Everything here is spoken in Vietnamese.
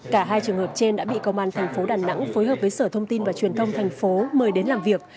cả hai trường hợp trên đã bị công an thành phố đà nẵng phối hợp với sở thông tin và truyền thông thành phố mời đến làm việc